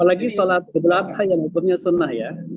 apalagi sholat berjamaah yang hukumnya sunnah ya